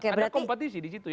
ada kompetisi disitu